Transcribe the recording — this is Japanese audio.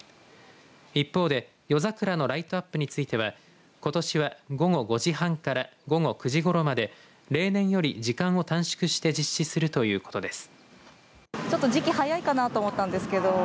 一方で夜桜のライトアップについてはことしは午後５時半から午後９時ごろまで例年より時間を短縮して実施するということです。